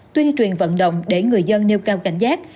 tuyên truyền vận động để người dân nêu cao cảnh giác